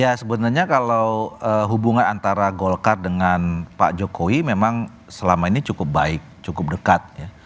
ya sebenarnya kalau hubungan antara golkar dengan pak jokowi memang selama ini cukup baik cukup dekat ya